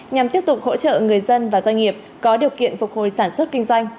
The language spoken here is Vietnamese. nhằm tiếp tục hỗ trợ người dân và doanh nghiệp có điều kiện phục hồi sản xuất kinh doanh